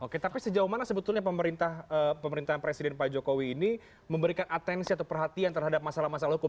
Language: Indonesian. oke tapi sejauh mana sebetulnya pemerintahan presiden pak jokowi ini memberikan atensi atau perhatian terhadap masalah masalah hukum